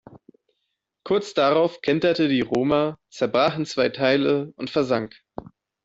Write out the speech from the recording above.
Kurz darauf kenterte die "Roma", zerbrach in zwei Teile und versank.